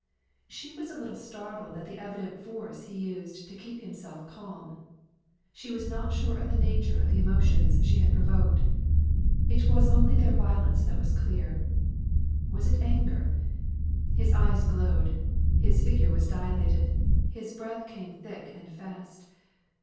She was a little startled at the evident force he used to keep himself calm. She was not sure of the nature of the emotions she had provoked. It was only their violence that was clear. Was it anger? His eyes glowed, his figure was dilated, his breath came thick and fast.